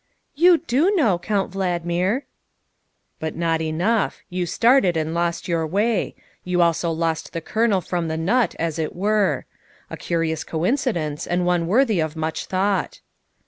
'''' You do know, Count Valdmir. '''' But not enough. You started and lost your way ; 112 THE WIFE OF you also lost the kernel from the nut, as it were. A curious coincidence, and one worthy of much thought."